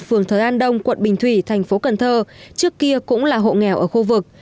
phường thới an đông quận bình thủy thành phố cần thơ trước kia cũng là hộ nghèo ở khu vực